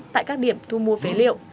tại các điểm thu mua phế liệu